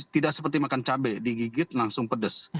tidak seperti makan cabai digigit langsung pedes